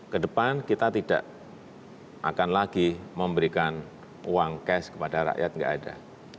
kedepan kita tidak akan lagi memberikan uang cash kepada rakyat nggak ada